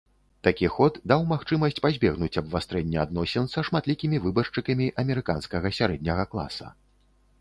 Такі ход даў магчымасць пазбегнуць абвастрэння адносін са шматлікімі выбаршчыкамі амерыканскага сярэдняга класа.